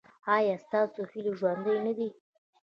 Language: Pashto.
ایا ستاسو هیلې ژوندۍ نه دي؟